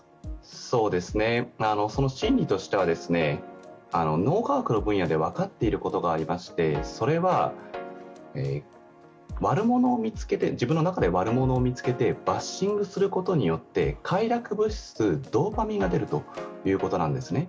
心理としては、脳科学の分野で分かっていることがありましてそれは自分の中で悪者を見つけてバッシングすることによって快楽物質、ドーパミンが出るということなんですね。